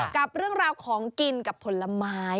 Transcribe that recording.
กับเรื่องราวของกินกับผลไม้